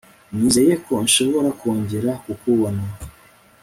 Nizeye ko nshobora kongera kukubona